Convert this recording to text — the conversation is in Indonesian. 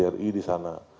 kjri di sana